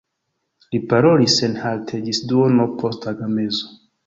Li parolis senhalte ĝis duono post tagmezo.